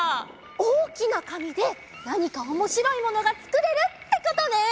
おおきなかみでなにかおもしろいものがつくれるってことね！